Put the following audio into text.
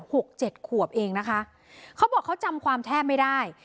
หกเจ็ดขวบเองนะคะเขาบอกเขาจำความแทบไม่ได้